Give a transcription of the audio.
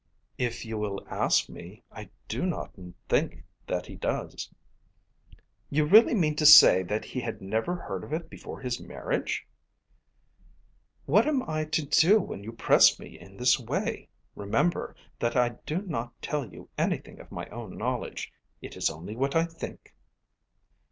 "If you will ask me, I do not think that he does." "You really mean to say that he had never heard of it before his marriage?" "What am I to do when you press me in this way? Remember that I do not tell you anything of my own knowledge. It is only what I think."